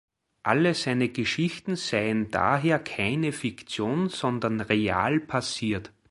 Alle seine Geschichten seien daher keine Fiktion, sondern real passiert.